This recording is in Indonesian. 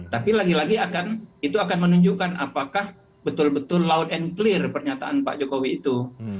tapi lagi lagi akan itu akan menunjukkan apakah betul betul loud and clear pernyataan pak jokowi itu